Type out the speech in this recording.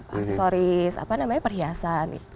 aksesoris apa namanya perhiasan